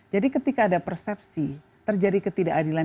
jadi ketika ada persepsi terjadi ketidakadilan